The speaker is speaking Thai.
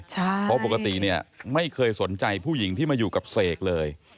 เพราะปกติเนี่ยไม่เคยสนใจผู้หญิงที่มาอยู่กับเสกเลย